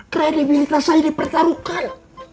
kredibilitas saya dipertaruhkan